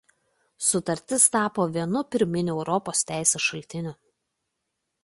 Sutartis tapo vienu pirminių Europos teisės šaltinių.